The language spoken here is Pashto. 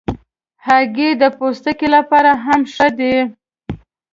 هګۍ د پوستکي لپاره هم ښه ده.